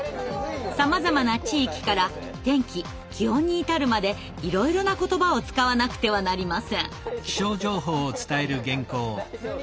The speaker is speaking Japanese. さまざまな地域から天気・気温に至るまでいろいろな言葉を使わなくてはなりません。